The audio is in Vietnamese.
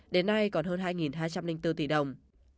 đến nay còn hơn hai hai trăm linh bốn tỷ đồng